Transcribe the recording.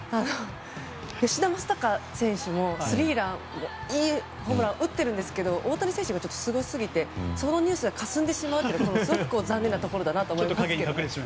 吉田正尚選手もいいホームランを打っていますが大谷選手がすごすぎてそのニュースがかすんでしまうというのがすごく残念なところだと思います。